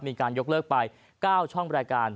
มีการยกเลิกไป๙ช่องรายการ